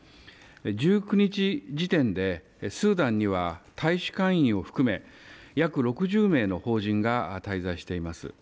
１９日時点でスーダンには大使館員を含め約６０名の邦人が滞在しています。